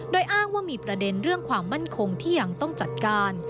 โดยอ้างว่ามีประเด็นเรื่องความมั่นคงที่ยังต้องจัดการ